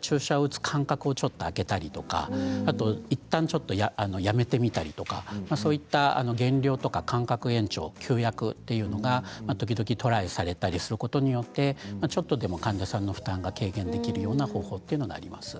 注射を打つ間隔をあけたりとかいったんちょっとやめてみたりとかそういった減量とか間隔延長休薬というのが時々トライされたりすることによってちょっとでも患者さんの負担が軽減できるようなことがあります。